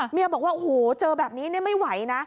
เมียบอกว่าโอ้โหเจอแบบนี้ไม่ไหวนะ